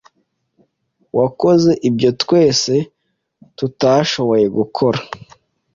Wakoze ibyo twese tutashoboye gukora.